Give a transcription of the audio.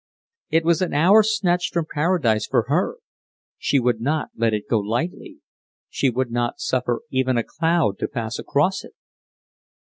It was an hour snatched from Paradise for her! She would not let it go lightly. She would not suffer even a cloud to pass across it!